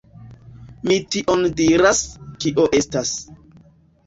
Mi tion diras, kio estas.